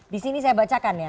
di sini saya bacakan ya